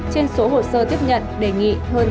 trên số hồ sơ tiếp nhận đề nghị hơn tám mươi